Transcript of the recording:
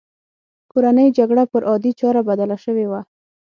کورنۍ جګړه پر عادي چاره بدله شوې وه.